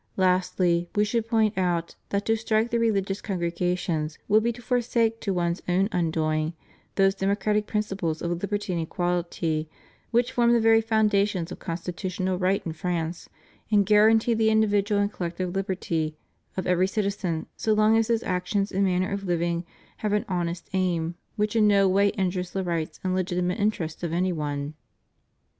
Lastly, We should point out that to strike the religious congregations would be to forsake to one's own undoing those democratic principles of liberty and equality which form the very foundation of constitutional right in France and guarantee the individual and collective liberty of every citizen so long as his actions and manner of living have an honest aim which in no way injures the rights and legitimate interests of any one.